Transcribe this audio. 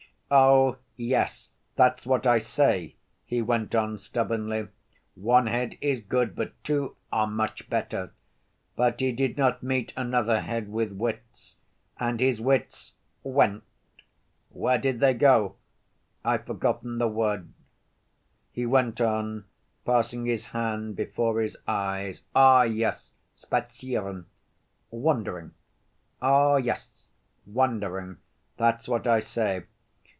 "Oh, yes, that's what I say," he went on stubbornly. "One head is good, but two are much better, but he did not meet another head with wits, and his wits went. Where did they go? I've forgotten the word." He went on, passing his hand before his eyes, "Oh, yes, spazieren." "Wandering?" "Oh, yes, wandering, that's what I say.